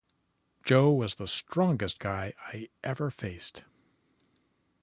Joe was the strongest guy I ever faced.